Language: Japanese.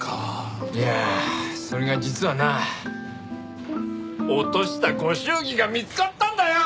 いやあそれが実はな落としたご祝儀が見つかったんだよ！